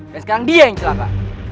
dan sekarang dia yang celaka